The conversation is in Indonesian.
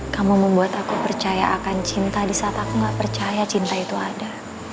kamu membuat aku percaya akan cinta di saat aku gak percaya cinta itu ada